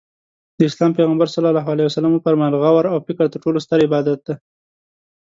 د اسلام پیغمبر ص وفرمایل غور او فکر تر ټولو ستر عبادت دی.